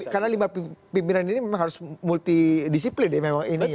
karena lima pimpinan ini memang harus multidisiplin ya memang ini ya